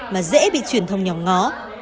mà dễ bị chuyển thống ra